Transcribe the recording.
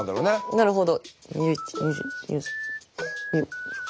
なるほど。